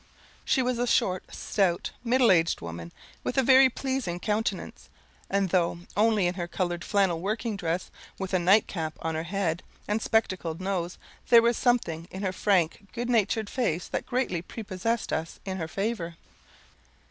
She was a short, stout, middle aged woman, with a very pleasing countenance; and though only in her coloured flannel working dress, with a nightcap on her head, and spectacled nose, there was something in her frank good natured face that greatly prepossessed us in her favour.